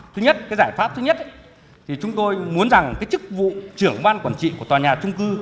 thứ nhất cái giải pháp thứ nhất thì chúng tôi muốn rằng cái chức vụ trưởng ban quản trị của tòa nhà trung cư